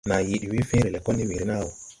Nàa yed we fẽẽre lɛkɔl ne weere nàa wɔ.